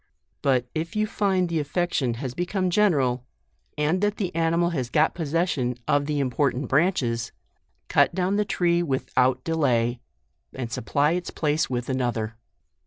But if you find the affection has become general, and that the animal has got posses sion of the important branches, cut down the tree without delay, and supply its place with another.